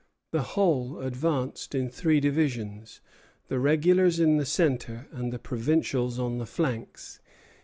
The whole advanced in three divisions, the regulars in the centre, and the provincials on the flanks.